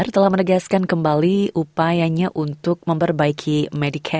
pilihannya sudah ditentukan bagi mereka